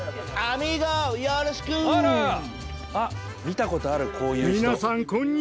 見たことあるこういう人。